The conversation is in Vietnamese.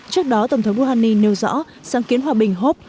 trước đó tổng thống rouhani nêu rõ sáng kiến hòa bình hope